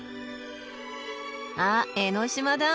あっ江の島だ！